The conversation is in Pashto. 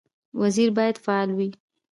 وزیر باید فعال وي